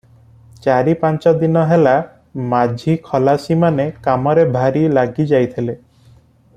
ଚାରି ପାଞ୍ଚ ଦିନ ହେଲା ମାଝି ଖଲାସିମାନେ କାମରେ ଭାରି ଲାଗି ଯାଇଥିଲେ ।